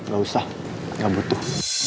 gak usah gak butuh